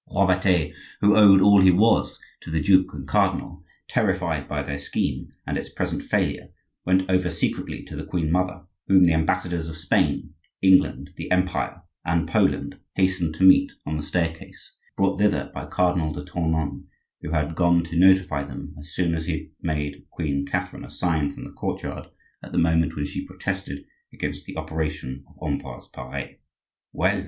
Robertet, who owed all he was to the duke and cardinal, terrified by their scheme and its present failure, went over secretly to the queen mother, whom the ambassadors of Spain, England, the Empire, and Poland, hastened to meet on the staircase, brought thither by Cardinal de Tournon, who had gone to notify them as soon as he had made Queen Catherine a sign from the courtyard at the moment when she protested against the operation of Ambroise Pare. "Well!"